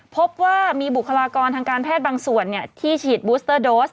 พบว่ามีบุคลากรทางการแพทย์บางส่วนที่ฉีดบูสเตอร์โดส